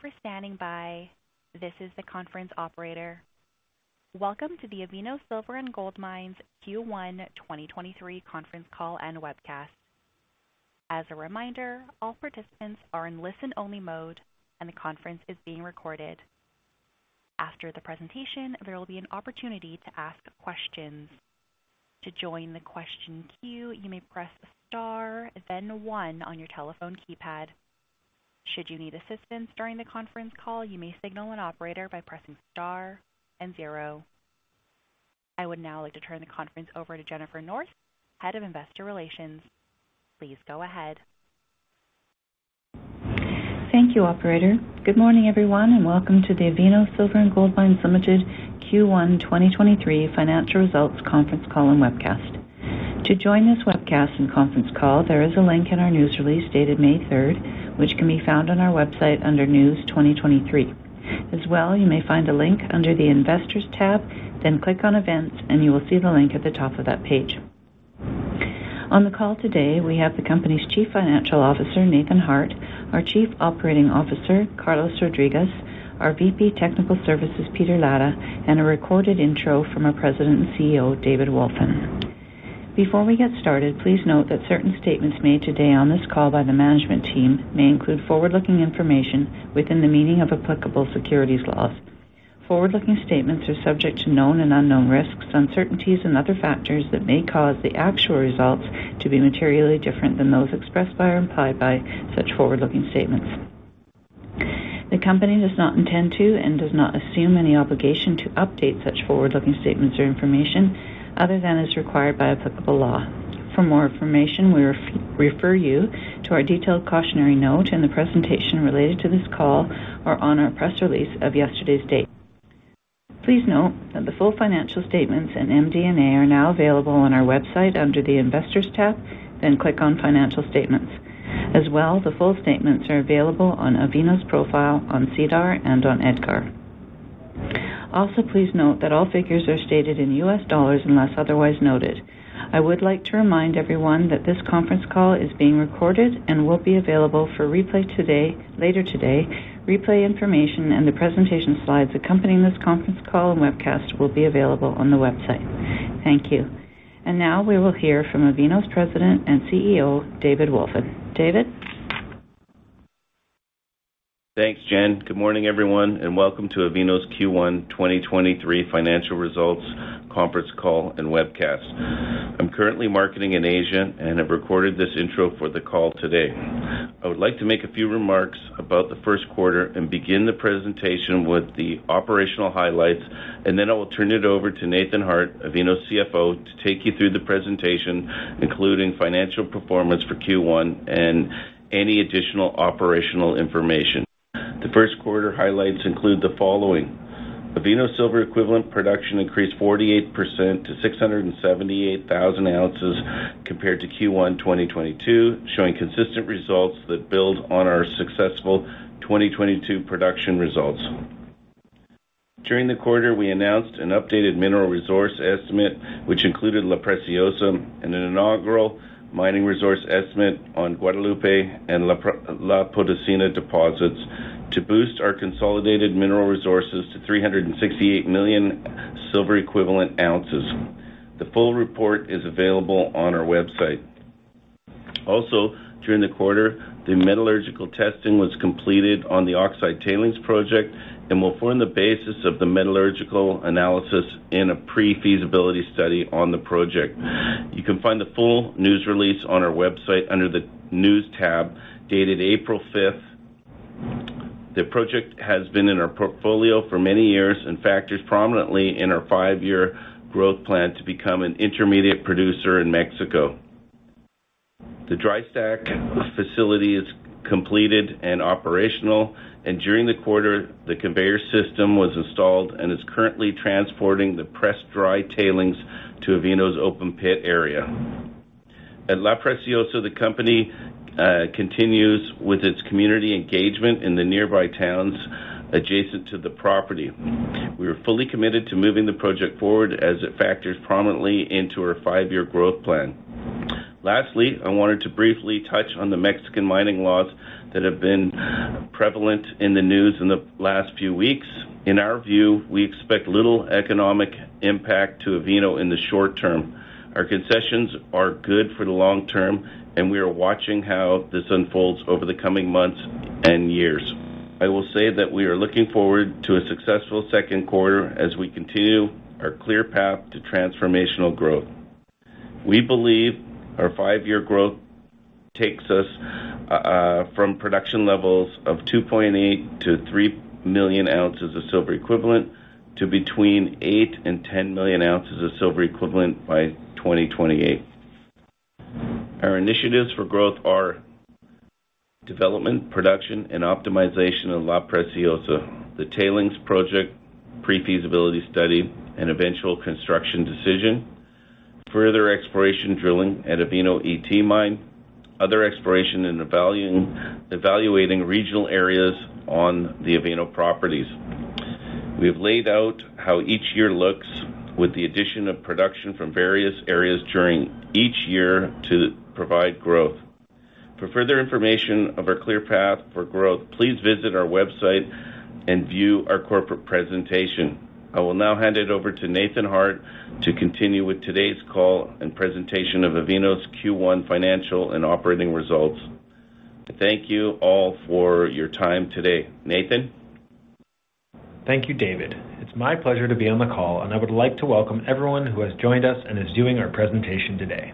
Thank you for standing by. This is the conference operator. Welcome to the Avino Silver & Gold Mines Q1 2023 conference call and webcast. As a reminder, all participants are in listen-only mode, and the conference is being recorded. After the presentation, there will be an opportunity to ask questions. To join the question queue, you may press star then one on your telephone keypad. Should you need assistance during the conference call, you may signal an operator by pressing star and zero. I would now like to turn the conference over to Jennifer North, Head of Investor Relations. Please go ahead. Thank you, operator. Good morning, everyone, and welcome to the Avino Silver & Gold Mines Ltd. Q1 2023 financial results conference call and webcast. To join this webcast and conference call, there is a link in our news release dated May third, which can be found on our website under News 2023. As well, you may find a link under the Investors tab, then click on Events, and you will see the link at the top of that page. On the call today, we have the company's Chief Financial Officer, Nathan Harte, our Chief Operating Officer, Carlos Rodriguez, our VP Technical Services, Peter Latta, and a recorded intro from our President and CEO, David Wolfin. Before we get started, please note that certain statements made today on this call by the management team may include forward-looking information within the meaning of applicable securities laws. Forward-looking statements are subject to known and unknown risks, uncertainties, and other factors that may cause the actual results to be materially different than those expressed by or implied by such forward-looking statements. The Company does not intend to and does not assume any obligation to update such forward-looking statements or information other than as required by applicable law. For more information, we refer you to our detailed cautionary note in the presentation related to this call or on our press release of yesterday's date. Please note that the full financial statements and MD&A are now available on our website under the Investors tab, then click on Financial Statements. As well, the full statements are available on Avino's profile on SEDAR and on EDGAR. Also, please note that all figures are stated in US dollars unless otherwise noted. I would like to remind everyone that this conference call is being recorded and will be available for replay today, later today. Replay information and the presentation slides accompanying this conference call and webcast will be available on the website. Thank you. Now we will hear from Avino's President and CEO, David Wolfin. David? Thanks, Jen. Good morning, everyone, welcome to Avino's Q1 2023 financial results conference call and webcast. I'm currently marketing in Asia and have recorded this intro for the call today. I would like to make a few remarks about the first quarter and begin the presentation with the operational highlights, and then I will turn it over to Nathan Harte, Avino's CFO, to take you through the presentation, including financial performance for Q1 and any additional operational information. The first quarter highlights include the following: Avino silver equivalent production increased 48% to 678,000 ounces compared to Q1 2022, showing consistent results that build on our successful 2022 production results. During the quarter, we announced an updated mineral resource estimate, which included La Preciosa and an inaugural mining resource estimate on Guadalupe and La Potosina deposits to boost our consolidated mineral resources to 368 million silver equivalent ounces. The full report is available on our website. Also, during the quarter, the metallurgical testing was completed on the Oxide Tailings Project and will form the basis of the metallurgical analysis in a pre-feasibility study on the project. You can find the full news release on our website under the News tab dated April fifth. The project has been in our portfolio for many years and factors prominently in our five-year growth plan to become an intermediate producer in Mexico. The dry stack facility is completed and operational, and during the quarter, the conveyor system was installed and is currently transporting the pressed dry tailings to Avino's open pit area. At La Preciosa, the company continues with its community engagement in the nearby towns adjacent to the property. We are fully committed to moving the project forward as it factors prominently into our five-year growth plan. Lastly, I wanted to briefly touch on the Mexican mining laws that have been prevalent in the news in the last few weeks. In our view, we expect little economic impact to Avino in the short term. Our concessions are good for the long term, and we are watching how this unfolds over the coming months and years. I will say that we are looking forward to a successful second quarter as we continue our clear path to transformational growth. We believe our five-year growth takes us from production levels of 2.8 million-3 million ounces of silver equivalent to between 8 million and 10 million ounces of silver equivalent by 2028. Our initiatives for growth are development, production, and optimization of La Preciosa, the tailings project pre-feasibility study, and eventual construction decision, further exploration drilling at Avino ET mine, other exploration and evaluating regional areas on the Avino properties. We have laid out how each year looks with the addition of production from various areas during each year to provide growth. For further information of our clear path for growth, please visit our website and view our corporate presentation. I will now hand it over to Nathan Harte to continue with today's call and presentation of Avino's Q1 financial and operating results. Thank you all for your time today. Nathan. Thank you, David. It's my pleasure to be on the call, and I would like to welcome everyone who has joined us and is viewing our presentation today.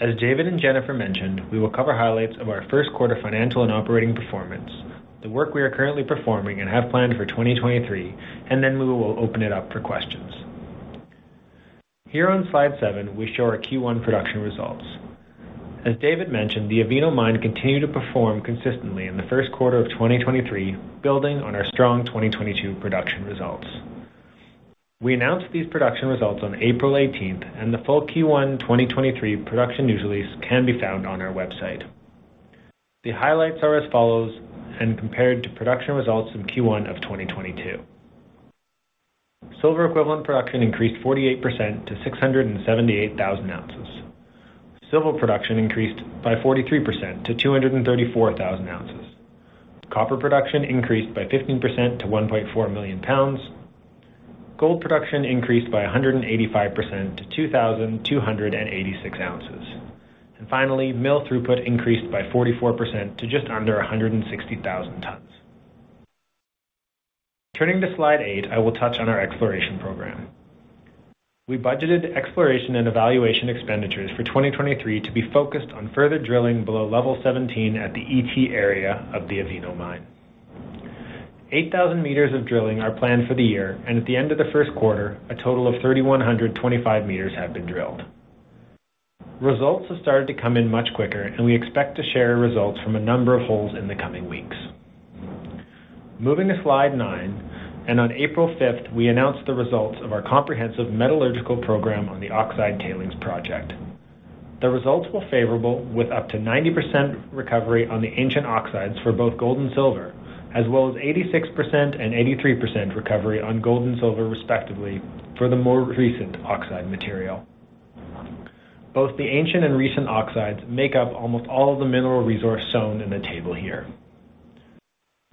As David and Jennifer mentioned, we will cover highlights of our first quarter financial and operating performance, the work we are currently performing and have planned for 2023, and then we will open it up for questions. Here on slide seven, we show our Q1 production results. As David mentioned, the Avino Mine continued to perform consistently in the first quarter of 2023, building on our strong 2022 production results. We announced these production results on April 18th, and the full Q1 2023 production news release can be found on our website. The highlights are as follows and compared to production results in Q1 of 2022. Silver equivalent production increased 48% to 678,000 ounces. Silver production increased by 43% to 234,000 ounces. Copper production increased by 15% to 1.4 million pounds. Gold production increased by 185% to 2,286 ounces. Finally, mill throughput increased by 44% to just under 160,000 tons. Turning to slide eight, I will touch on our exploration program. We budgeted exploration and evaluation expenditures for 2023 to be focused on further drilling below Level 17 at the ET area of the Avino Mine. 8,000 meters of drilling are planned for the year, and at the end of the first quarter, a total of 3,125 meters have been drilled. Results have started to come in much quicker, and we expect to share results from a number of holes in the coming weeks. Moving to slide nine. On April 5th, we announced the results of our comprehensive metallurgical program on the Oxide Tailings Project. The results were favorable, with up to 90% recovery on the ancient oxides for both gold and silver, as well as 86% and 83% recovery on gold and silver, respectively, for the more recent oxide material. Both the ancient and recent oxides make up almost all of the mineral resource shown in the table here.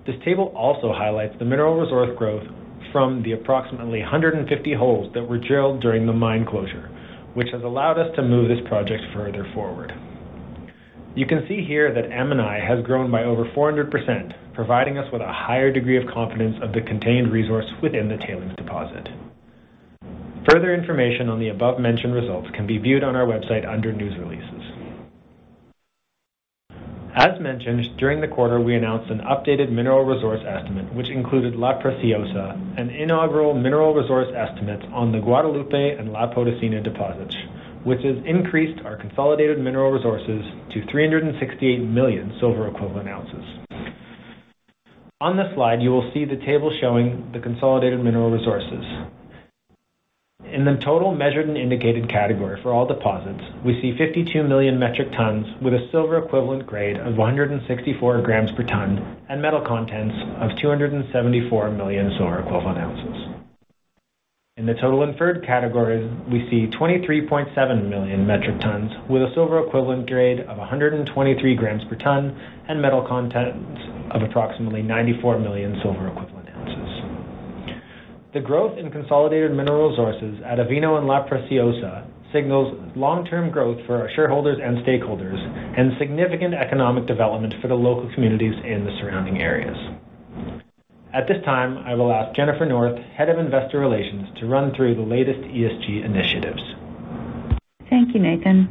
This table also highlights the mineral resource growth from the approximately 150 holes that were drilled during the mine closure, which has allowed us to move this project further forward. You can see here that M&I has grown by over 400%, providing us with a higher degree of confidence of the contained resource within the tailings deposit. Further information on the above-mentioned results can be viewed on our website under News Releases. As mentioned, during the quarter, we announced an updated mineral resource estimate, which included La Preciosa and inaugural mineral resource estimates on the Guadalupe and La Potosina deposits, which has increased our consolidated mineral resources to 368 million silver equivalent ounces. On this slide, you will see the table showing the consolidated mineral resources. In the total measured and indicated category for all deposits, we see 52 million metric tons with a silver equivalent grade of 164 grams per ton and metal contents of 274 million silver equivalent ounces. In the total inferred categories, we see 23.7 million metric tons with a silver equivalent grade of 123 grams per ton and metal contents of approximately 94 million silver equivalent ounces. The growth in consolidated mineral resources at Avino and La Potosina signals long-term growth for our shareholders and stakeholders and significant economic development for the local communities in the surrounding areas. At this time, I will ask Jennifer North, Head of Investor Relations, to run through the latest ESG initiatives. Thank you, Nathan.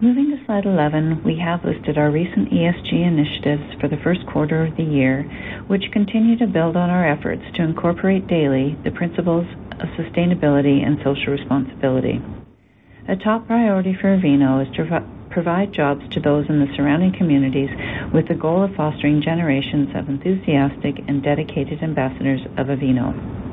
Moving to slide 11, we have listed our recent ESG initiatives for the first quarter of the year, which continue to build on our efforts to incorporate daily the principles of sustainability and social responsibility. A top priority for Avino is to provide jobs to those in the surrounding communities with the goal of fostering generations of enthusiastic and dedicated ambassadors of Avino.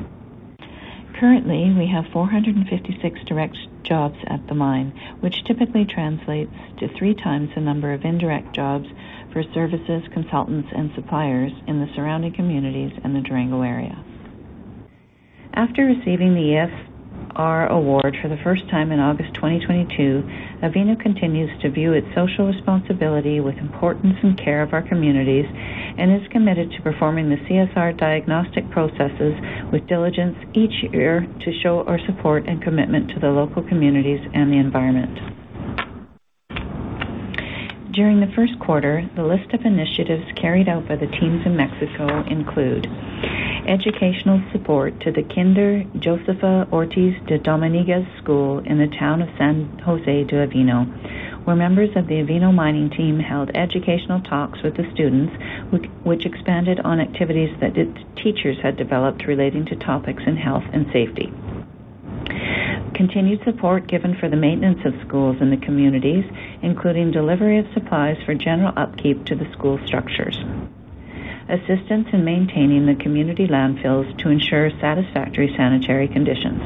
Currently, we have 456 direct jobs at the mine, which typically translates to three times the number of indirect jobs for services, consultants, and suppliers in the surrounding communities in the Durango area. After receiving the ESR award for the first time in August 2022, Avino continues to view its social responsibility with importance and care of our communities and is committed to performing the CSR diagnostic processes with diligence each year to show our support and commitment to the local communities and the environment. During the first quarter, the list of initiatives carried out by the teams in Mexico include educational support to the Kinder Josefa Ortiz de Domínguez school in the town of San José de Avino, where members of the Avino mining team held educational talks with the students which expanded on activities that the teachers had developed relating to topics in health and safety. Continued support given for the maintenance of schools in the communities, including delivery of supplies for general upkeep to the school structures. Assistance in maintaining the community landfills to ensure satisfactory sanitary conditions.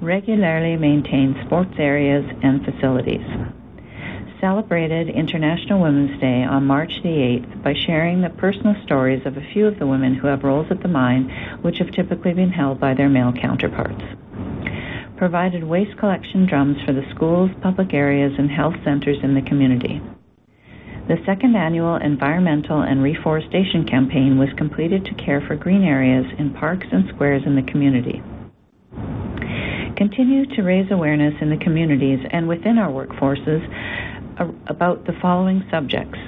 Regularly maintain sports areas and facilities. Celebrated International Women's Day on March 8th by sharing the personal stories of a few of the women who have roles at the mine, which have typically been held by their male counterparts. Provided waste collection drums for the schools, public areas, and health centers in the community. The second annual environmental and reforestation campaign was completed to care for green areas in parks and squares in the community. Continue to raise awareness in the communities and within our workforces about the following subjects: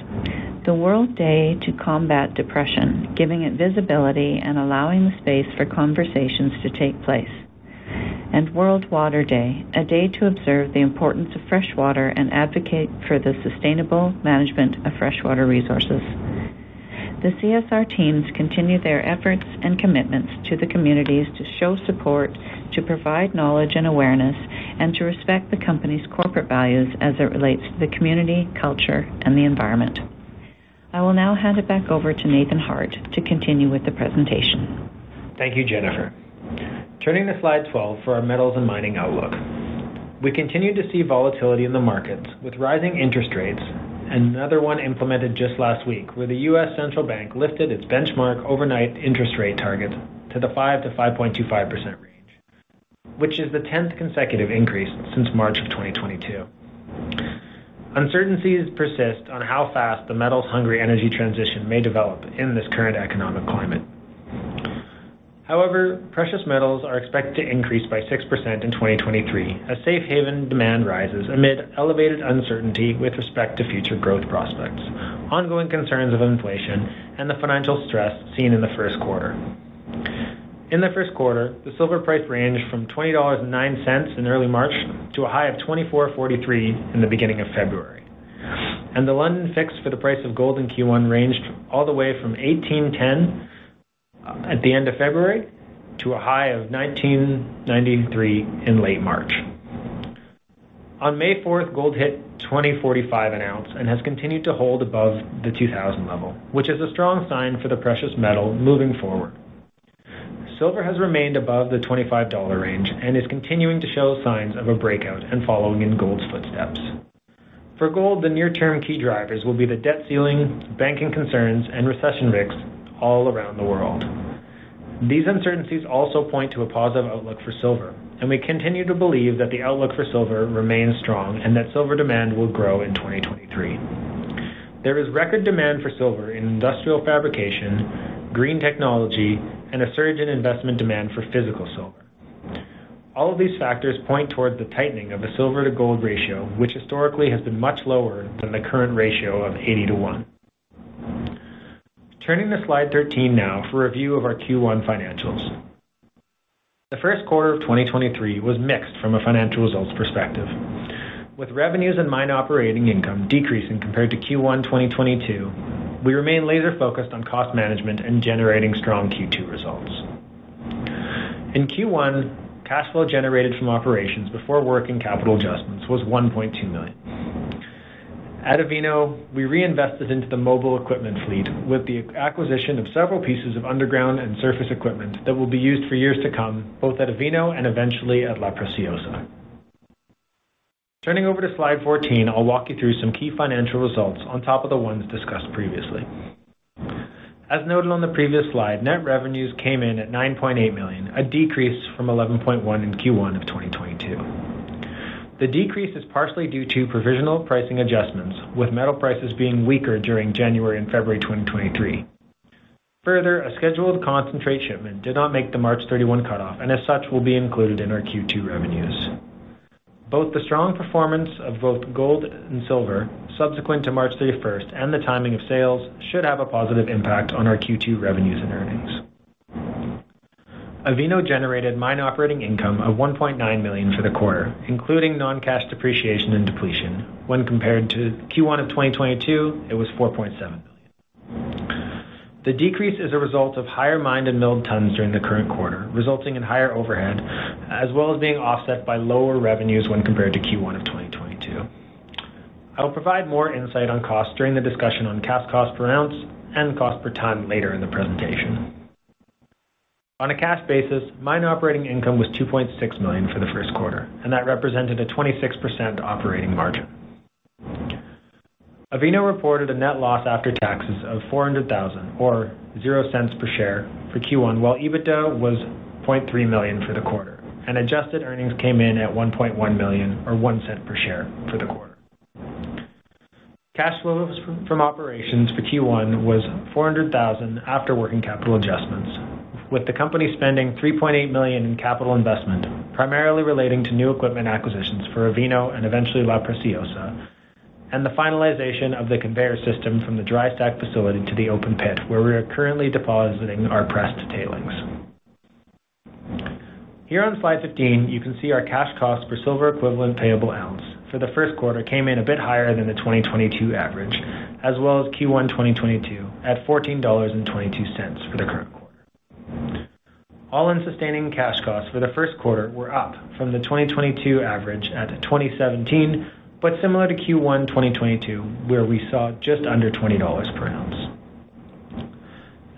The World Day to Combat Depression, giving it visibility and allowing the space for conversations to take place. World Water Day, a day to observe the importance of fresh water and advocate for the sustainable management of freshwater resources. The CSR teams continue their efforts and commitments to the communities to show support, to provide knowledge and awareness, and to respect the company's corporate values as it relates to the community, culture, and the environment. I will now hand it back over to Nathan Harte to continue with the presentation. Thank you, Jennifer. Turning to slide 12 for our metals and mining outlook. We continue to see volatility in the markets with rising interest rates, and another one implemented just last week, where the U.S. central bank lifted its benchmark overnight interest rate targets to the 5%-5.25% range, which is the 10th consecutive increase since March of 2022. Uncertainties persist on how fast the metals-hungry energy transition may develop in this current economic climate. However, precious metals are expected to increase by 6% in 2023 as safe haven demand rises amid elevated uncertainty with respect to future growth prospects, ongoing concerns of inflation, and the financial stress seen in the first quarter. In the first quarter, the silver price ranged from $20.09 in early March to a high of $24.43 in the beginning of February. The London fix for the price of gold in Q1 ranged all the way from $1,810 at the end of February to a high of $1,993 in late March. On May fourth, gold hit $2,045 an ounce and has continued to hold above the $2,000 level, which is a strong sign for the precious metal moving forward. Silver has remained above the $25 range and is continuing to show signs of a breakout and following in gold's footsteps. For gold, the near term key drivers will be the debt ceiling, banking concerns, and recession risks all around the world. These uncertainties also point to a positive outlook for silver, and we continue to believe that the outlook for silver remains strong and that silver demand will grow in 2023. There is record demand for silver in industrial fabrication, green technology, and a surge in investment demand for physical silver. All of these factors point toward the tightening of a silver-to-gold ratio, which historically has been much lower than the current ratio of 80 to one. Turning to slide 13 now for a view of our Q1 financials. The first quarter of 2023 was mixed from a financial results perspective. With revenues and mine operating income decreasing compared to Q1 2022, we remain laser-focused on cost management and generating strong Q2 results. In Q1, cash flow generated from operations before work and capital adjustments was $1.2 million. At Avino, we reinvested into the mobile equipment fleet with the acquisition of several pieces of underground and surface equipment that will be used for years to come, both at Avino and eventually at La Preciosa. Turning over to slide 14, I'll walk you through some key financial results on top of the ones discussed previously. As noted on the previous slide, net revenues came in at $9.8 million, a decrease from $11.1 in Q1 of 2022. Further, a scheduled concentrate shipment did not make the March 31 cutoff, and as such, will be included in our Q2 revenues. Both the strong performance of both gold and silver subsequent to March 31st and the timing of sales should have a positive impact on our Q2 revenues and earnings. Avino generated mine operating income of $1.9 million for the quarter, including non-cash depreciation and depletion. When compared to Q1 of 2022, it was $4.7 million. The decrease is a result of higher mined and milled tons during the current quarter, resulting in higher overhead, as well as being offset by lower revenues when compared to Q1 of 2022. I will provide more insight on costs during the discussion on cash cost per ounce and cost per ton later in the presentation. On a cash basis, mine operating income was $2.6 million for the first quarter. That represented a 26% operating margin. Avino reported a net loss after taxes of $400,000 or $0 per share for Q1, while EBITDA was $0.3 million for the quarter. Adjusted earnings came in at $1.1 million or $0.01 per share for the quarter. Cash flows from operations for Q1 was $400,000 after working capital adjustments, with the company spending $3.8 million in capital investment, primarily relating to new equipment acquisitions for Avino and eventually La Preciosa, and the finalization of the conveyor system from the dry stack facility to the open pit where we are currently depositing our pressed tailings. Here on slide 15, you can see our cash cost for silver equivalent payable ounce for the first quarter came in a bit higher than the 2022 average, as well as Q1 2022 at $14.22 for the current quarter. All-in sustaining cash costs for the first quarter were up from the 2022 average at $20.17. Similar to Q1 2022, where we saw just under $20 per ounce.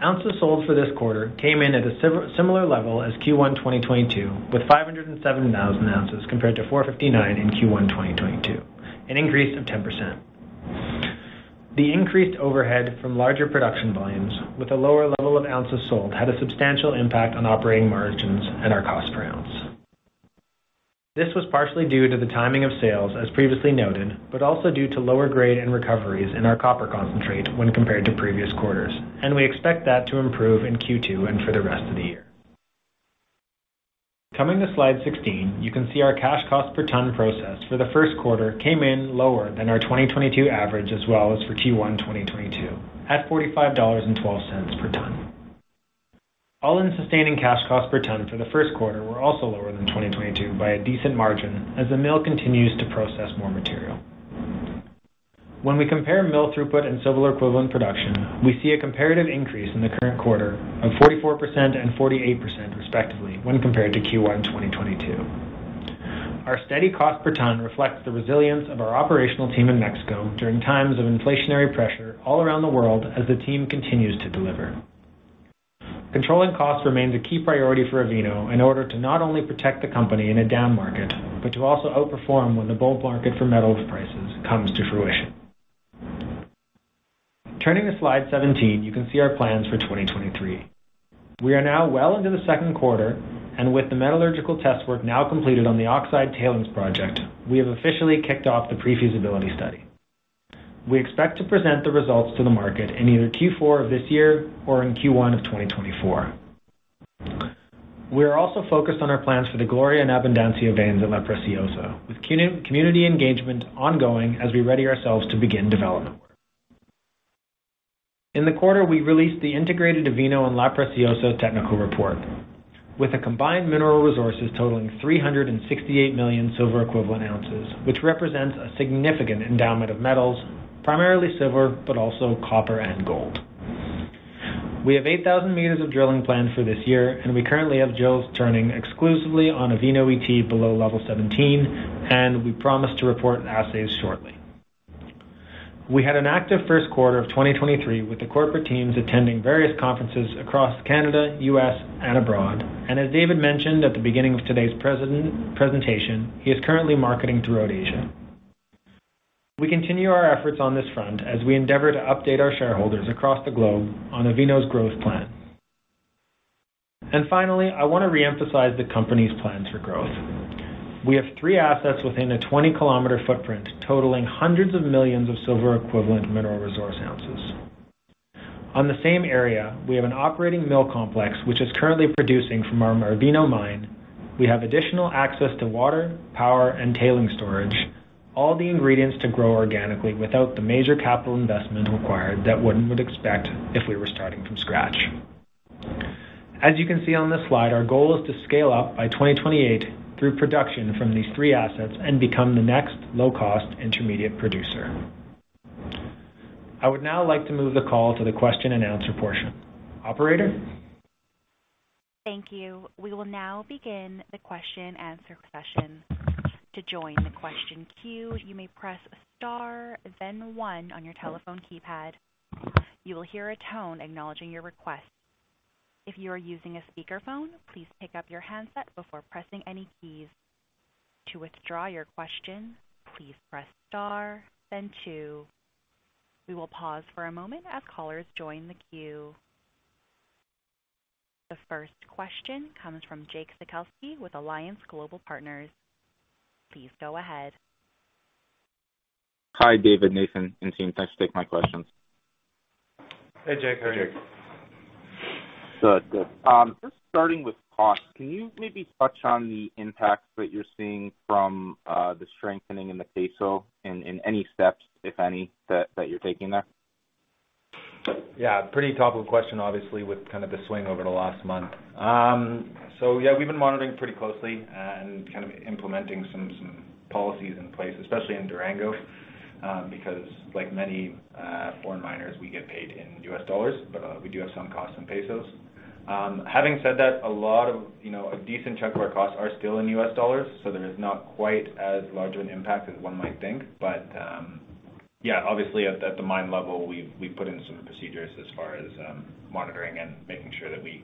Ounces sold for this quarter came in at a similar level as Q1 2022, with 507,000 ounces compared to 459,000 in Q1 2022, an increase of 10%. The increased overhead from larger production volumes with a lower level of ounces sold had a substantial impact on operating margins and our cost per ounce. This was partially due to the timing of sales, as previously noted, but also due to lower grade and recoveries in our copper concentrate when compared to previous quarters, and we expect that to improve in Q2 and for the rest of the year. Coming to slide 16, you can see our cash cost per ton processed for the 1st quarter came in lower than our 2022 average as well as for Q1 2022 at $45.12 per ton. All-in sustaining cash costs per ton for the 1st quarter were also lower than 2022 by a decent margin as the mill continues to process more material. When we compare mill throughput and silver equivalent production, we see a comparative increase in the current quarter of 44% and 48% respectively when compared to Q1 2022. Our steady cost per ton reflects the resilience of our operational team in Mexico during times of inflationary pressure all around the world as the team continues to deliver. Controlling costs remains a key priority for Avino in order to not only protect the company in a down market, but to also outperform when the bull market for metals prices comes to fruition. Turning to slide 17, you can see our plans for 2023. We are now well into the second quarter and with the metallurgical test work now completed on the oxide tailings project, we have officially kicked off the pre-feasibility study. We expect to present the results to the market in either Q4 of this year or in Q1 of 2024. We are also focused on our plans for the Gloria and Abundancia veins at La Preciosa, with community engagement ongoing as we ready ourselves to begin development. In the quarter, we released the integrated Avino and La Preciosa technical report with a combined mineral resources totaling $368 million silver equivalent ounces, which represents a significant endowment of metals, primarily silver, but also copper and gold. We have 8,000 meters of drilling planned for this year, we currently have drills turning exclusively on Avino ET below Level 17, and we promise to report assays shortly. We had an active first quarter of 2023, with the corporate teams attending various conferences across Canada, U.S., and abroad. As David mentioned at the beginning of today's presentation, he is currently marketing throughout Asia. We continue our efforts on this front as we endeavor to update our shareholders across the globe on Avino's growth plan. Finally, I want to reemphasize the company's plans for growth. We have three assets within a 20-kilometer footprint, totaling hundreds of millions of silver equivalent mineral resource ounces. On the same area, we have an operating mill complex, which is currently producing from our Avino Mine. We have additional access to water, power, and tailing storage, all the ingredients to grow organically without the major capital investment required that one would expect if we were starting from scratch. As you can see on this slide, our goal is to scale up by 2028 through production from these three assets and become the next low-cost intermediate producer. I would now like to move the call to the question and answer portion. Operator? Thank you. We will now begin the question and answer session. To join the question queue, you may press Star, then one on your telephone keypad. You will hear a tone acknowledging your request. If you are using a speakerphone, please pick up your handset before pressing any keys. To withdraw your question, please press Star then two. We will pause for a moment as callers join the queue. The first question comes from Jake Sekelsky with Alliance Global Partners. Please go ahead. Hi, David, Nathan, and team. Thanks for taking my questions. Hey, Jake. How are you? Good. Just starting with cost, can you maybe touch on the impacts that you're seeing from the strengthening in the peso and any steps, if any, that you're taking there? Yeah, pretty topical question, obviously, with kind of the swing over the last month. Yeah, we've been monitoring pretty closely and kind of implementing some policies in place, especially in Durango, because like many foreign miners, we get paid in US dollars, but we do have some costs in pesos. Having said that, a lot of, you know, a decent chunk of our costs are still in US dollars, so there is not quite as large of an impact as one might think. Yeah, obviously at the mine level, we've put in some procedures as far as monitoring and making sure that we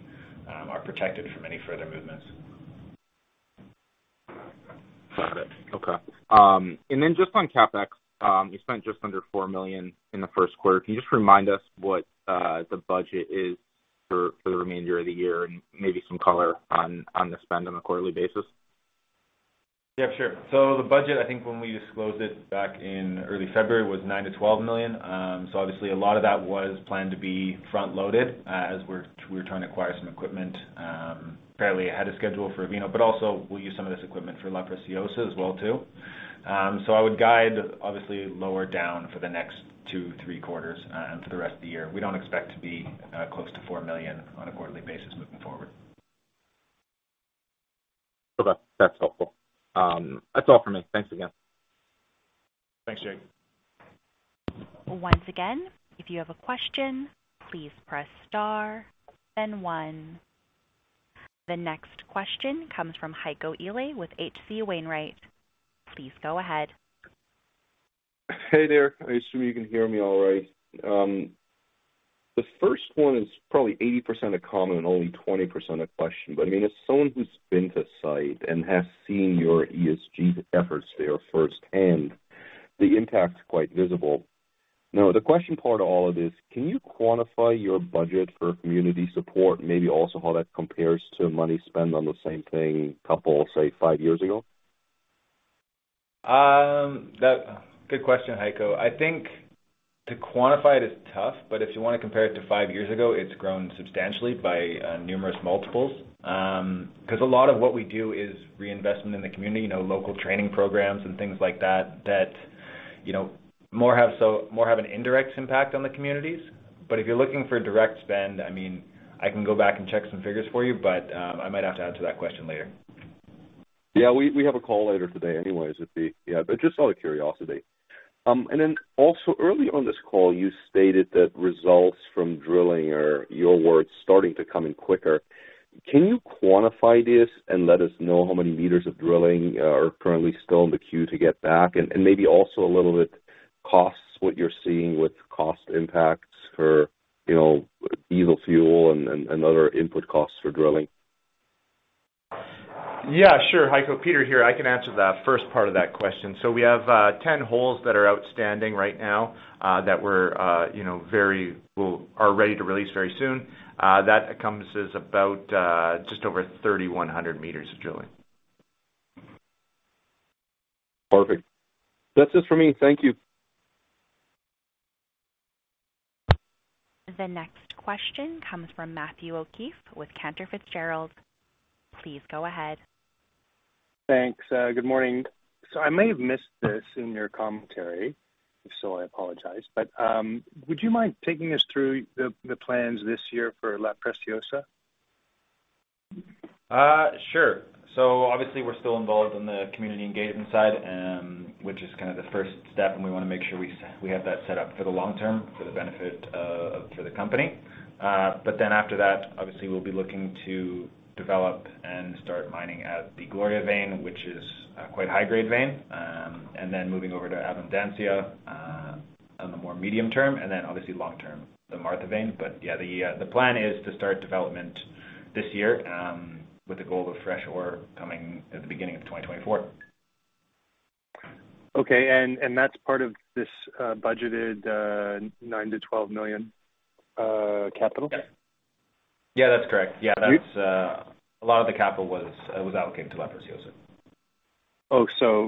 are protected from any further movements. Got it. Okay. Just on CapEx, you spent just under $4 million in the first quarter. Can you just remind us what the budget is for the remainder of the year and maybe some color on the spend on a quarterly basis? Sure. The budget, I think when we disclosed it back in early February, was $9 million-$12 million. Obviously, a lot of that was planned to be front-loaded as we're trying to acquire some equipment fairly ahead of schedule for Avino, but also we'll use some of this equipment for La Preciosa as well too. I would guide obviously lower down for the next two, three quarters and for the rest of the year. We don't expect to be close to $4 million on a quarterly basis moving forward. Okay. That's helpful. That's all for me. Thanks again. Thanks, Jake. Once again, if you have a question, please press star then 1. The next question comes from Heiko Ihle with H.C. Wainwright. Please go ahead. Hey there. I assume you can hear me all right. The first one is probably 80% a comment and only 20% a question. I mean, as someone who's been to site and has seen your ESG efforts there first hand, the impact's quite visible. The question part of all of this, can you quantify your budget for community support? Maybe also how that compares to money spent on the same thing, couple, say, five years ago? Good question, Heiko. I think to quantify it is tough, but if you wanna compare it to five years ago, it's grown substantially by numerous multiples. 'Cause a lot of what we do is reinvestment in the community, you know, local training programs and things like that, you know, more have an indirect impact on the communities. If you're looking for direct spend, I mean, I can go back and check some figures for you, but, I might have to add to that question later. Yeah, we have a call later today anyways. It'd be. Yeah, but just out of curiosity. Also early on this call, you stated that results from drilling are, your words, "Starting to come in quicker." Can you quantify this and let us know how many meters of drilling are currently still in the queue to get back? Maybe also a little bit costs, what you're seeing with cost impacts for, you know, diesel fuel and other input costs for drilling? Yeah, sure, Heiko. Peter here, I can answer the first part of that question. We have 10 holes that are outstanding right now, that we're, you know, ready to release very soon. That encompasses about just over 3,100 meters of drilling. Perfect. That's it for me. Thank you. The next question comes from Matthew O'Keefe with Cantor Fitzgerald. Please go ahead. Thanks. Good morning. I may have missed this in your commentary. If so, I apologize. Would you mind taking us through the plans this year for La Preciosa? Sure. Obviously we're still involved in the community engagement side, which is kinda the first step, and we wanna make sure we have that set up for the long term for the benefit for the company. After that, obviously we'll be looking to develop and start mining at the Gloria vein, which is a quite high grade vein. Moving over to Abundancia on the more medium term, obviously long term, the Martha vein. Yeah, the plan is to start development this year, with the goal of fresh ore coming at the beginning of 2024. Okay. that's part of this budgeted $9 million-$12 million capital? Yeah, that's correct. Yeah, that's. A lot of the capital was allocated to La Preciosa. Oh,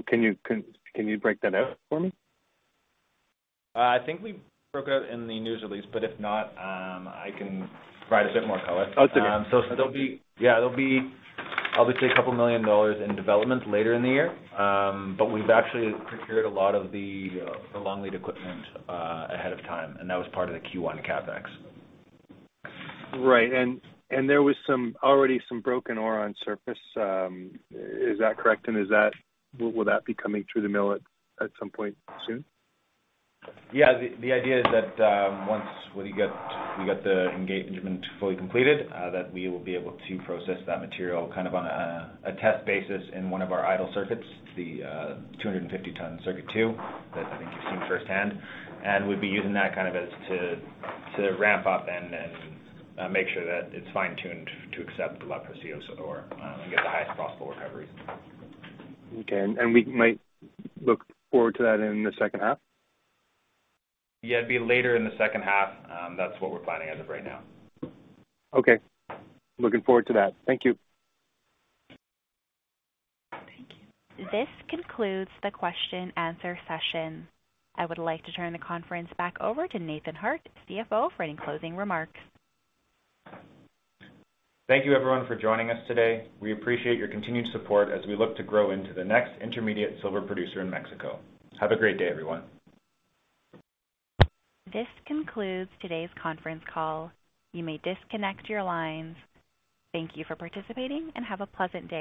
can you break that out for me? I think we broke out in the news release, but if not, I can provide a bit more color. Oh, that's okay. There'll be, yeah, obviously a couple million dollars in development later in the year. We've actually procured a lot of the long lead equipment ahead of time, and that was part of the Q1 CapEx. Right. There was some, already some broken ore on surface. Is that correct? Will that be coming through the mill at some point soon? Yeah. The idea is that once when you get the engagement fully completed, that we will be able to process that material kind of on a test basis in one of our idle circuits, the 250 ton Circuit Two that I think you've seen firsthand. We'd be using that kind of as to ramp up and make sure that it's fine-tuned to accept La Preciosa ore, and get the highest possible recovery. Okay. We might look forward to that in the second half? Yeah, it'd be later in the second half. That's what we're planning as of right now. Okay. Looking forward to that. Thank you. Thank you. This concludes the question/answer session. I would like to turn the conference back over to Nathan Harte, CFO, for any closing remarks. Thank you everyone for joining us today. We appreciate your continued support as we look to grow into the next intermediate silver producer in Mexico. Have a great day, everyone. This concludes today's conference call. You may disconnect your lines. Thank you for participating, and have a pleasant day.